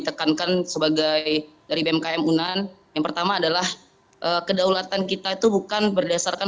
tekankan sebagai dari bmkm unan yang pertama adalah kedaulatan kita itu bukan berdasarkan